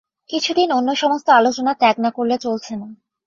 কিছুদিন অন্য সমস্ত আলোচনা ত্যাগ না করলে চলছে না।